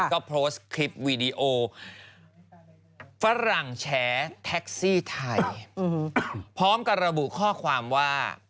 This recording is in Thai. ก็โพสต์คลิปวีดีโอฝรั่งแชร์แท็กซี่ไทยพร้อมกับระบุข้อความว่า